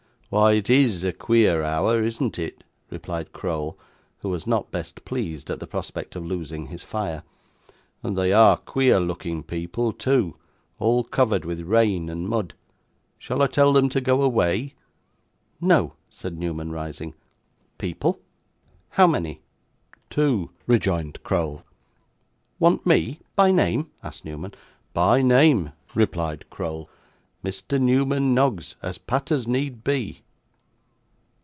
'Why, it IS a queer hour, isn't it?' replied Crowl, who was not best pleased at the prospect of losing his fire; 'and they are queer looking people, too, all covered with rain and mud. Shall I tell them to go away?' 'No,' said Newman, rising. 'People? How many?' 'Two,' rejoined Crowl. 'Want me? By name?' asked Newman. 'By name,' replied Crowl. 'Mr. Newman Noggs, as pat as need be.